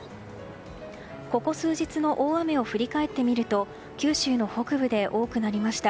ここ数日の大雨を振り返ってみると九州の北部で多くなりました。